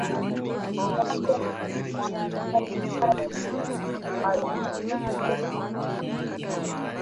nianze na michuano ya kombe la bara la asia ambayo jana imechezwa aaa